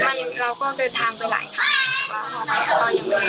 อยากให้สังคมรับรู้ด้วย